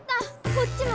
こっちも！